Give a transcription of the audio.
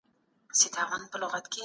تل بریالي اوسئ.